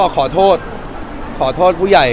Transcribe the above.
ขอโทษขอโทษผู้ใหญ่